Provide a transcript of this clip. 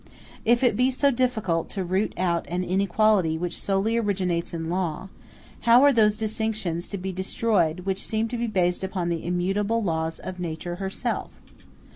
If it be so difficult to root out an inequality which solely originates in the law, how are those distinctions to be destroyed which seem to be based upon the immutable laws of Nature herself?